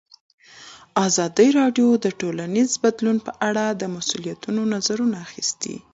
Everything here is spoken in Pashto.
ازادي راډیو د ټولنیز بدلون په اړه د مسؤلینو نظرونه اخیستي.